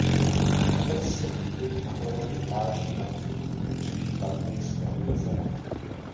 Obec se podílí na provozu pláží na východním pobřeží Galilejského jezera.